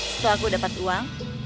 setelah aku dapat uang